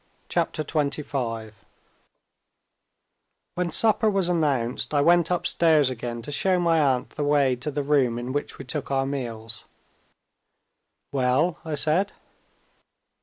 CHAPTER XXV When supper was announced, I went upstairs again to show my aunt the way to the room in which we took our meals. "Well?" I said.